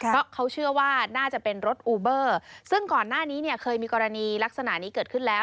เพราะเขาเชื่อว่าน่าจะเป็นรถอูเบอร์ซึ่งก่อนหน้านี้เนี่ยเคยมีกรณีลักษณะนี้เกิดขึ้นแล้ว